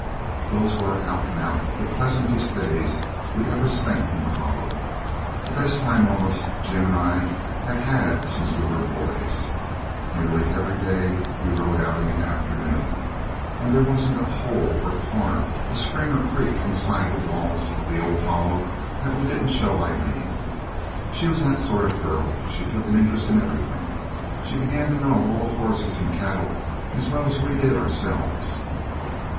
Those were out and out the pleasantest days we ever spent in the Hollow the best time almost Jim and I had had since we were boys. Nearly every day we rode out in the afternoon, and there wasn't a hole or corner, a spring or a creek inside the walls of the old Hollow that we didn't show Aileen. She was that sort of girl she took an interest in everything; she began to know all the horses and cattle as well as we did ourselves.